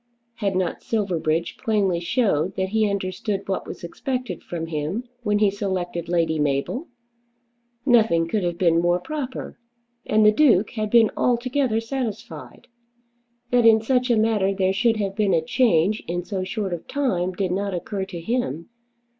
Had not Silverbridge plainly shown that he understood what was expected from him when he selected Lady Mabel? Nothing could have been more proper, and the Duke had been altogether satisfied. That in such a matter there should have been a change in so short a time did not occur to him.